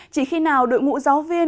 chỉ khi nào đội ngũ giáo viên